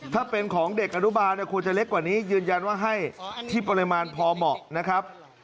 ถ้าเป็นของเด็กอนุบาลควรจะเล็กกว่านี้ยืนยันว่าให้ที่ปริมาณพอเหมาะนะครับ